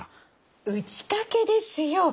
打ち掛けですよ。